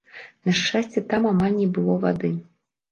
На шчасце, там амаль не было вады.